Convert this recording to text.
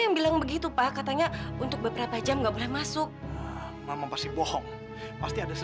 kini enggak tahu kok ini rumahnya papanya terry